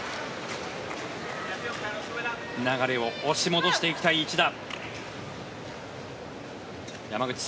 流れを押し戻していきたい一打。